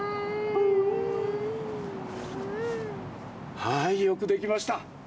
はいよくできました！